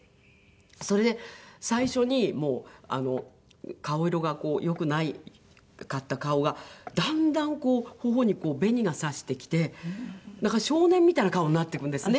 それで最初に顔色がよくなかった顔がだんだん頬に紅が差してきて少年みたいな顔になっていくんですね